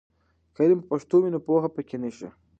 که علم په پښتو وي، نو پوهه پیکه نه شي.